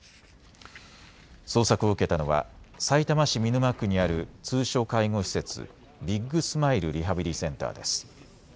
捜索を受けたのはさいたま市見沼区にある通所介護施設ビッグスマイルリハビリセンターです。